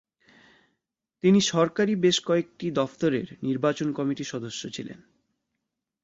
তিনি সরকারি বেশ কয়েকটি দফতরের নির্বাচন কমিটি সদস্য ছিলেন।